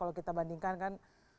kalau kita bandingkan kan